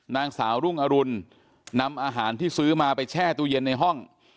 นางสาวรุ่งอรุณนำอาหารที่ซื้อมาไปแช่ตู้เย็นในห้อง